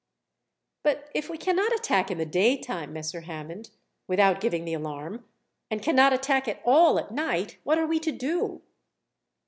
"But if we cannot attack in the daytime, Messer Hammond, without giving the alarm; and cannot attack at all at night, what are we to do?"